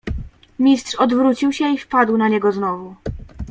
"Mistrz odwrócił się i wpadł na niego znowu."